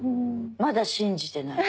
まだ信じてない。